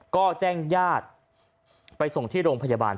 ก็แจ้งญาติไปส่งที่โรงพยาบาล